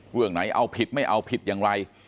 เรื่องไหนเอาผิดไม่เอาผิดอย่างไร